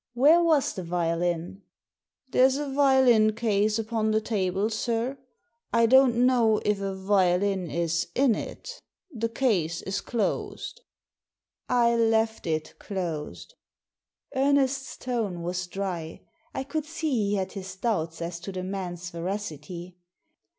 " Where was the violin ?"" There's a violin case upon the table, sir. I don't know if a violin is in it The case is closed." « I ^// it closed." Ernest's tone was dry. I could see he had his doubts as to the man's veracity.